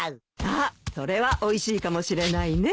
ああそれはおいしいかもしれないね。